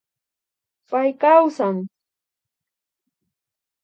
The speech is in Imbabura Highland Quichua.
Pay kawsan